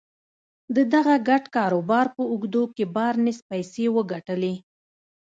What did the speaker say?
د دغه ګډ کاروبار په اوږدو کې بارنس پيسې وګټلې.